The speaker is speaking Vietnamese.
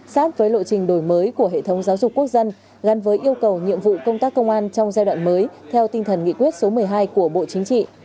sát với lộ trình đổi mới của hệ thống giáo dục quốc dân gắn với yêu cầu nhiệm vụ công tác công an trong giai đoạn mới theo tinh thần nghị quyết số một mươi hai của bộ chính trị